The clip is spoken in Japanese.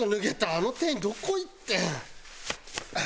あの店員どこ行ってん？